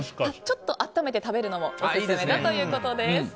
ちょっと温めて食べるのもオススメだということです。